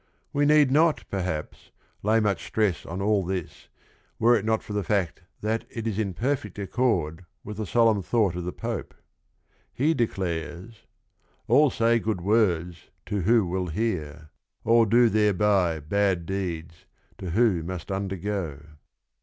We need not, perhaps, lay much stress on all this, were it not for the fact that it is in perfect accord with the solemn thought of the Pope. He declares : "All say good words To who will hear, all do thereby bad deeds To who must undergo."